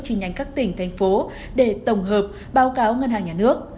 chi nhánh các tỉnh thành phố để tổng hợp báo cáo ngân hàng nhà nước